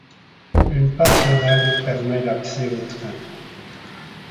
Une passerelle permet l'accès aux trains.